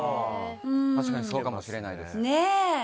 確かにそうかもしれないです。